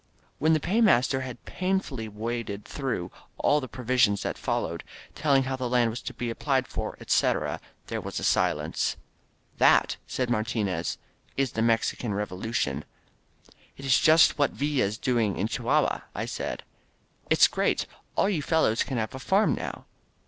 » When the paymaster had painfully waded through all the provisions that followed, telling how the land was to be applied for, etc., there was a silence. "That," said Martinez, "is the Mexican Revolucion. 77 INSURGENT MEXICO «1 'It's just what Villa's doing in Chihuahua/' I said. "It's great. All you fellows can have a farm now."